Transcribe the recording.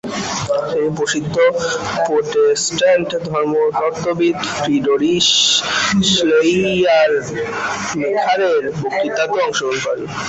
তিনি প্রসিদ্ধ Protestant ধর্মতত্ত্ববিদ Friedrich শ্লেইয়ারমেখারের বক্তৃতাতেও অংশগ্রহণ করেন।